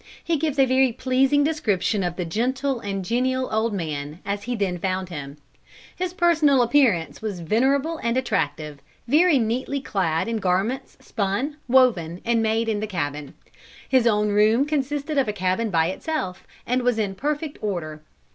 He gives a very pleasing description of the gentle and genial old man, as he then found him. His personal appearance was venerable and attractive, very neatly clad in garments spun, woven, and made in the cabin. His own room consisted of a cabin by itself, and was in perfect order.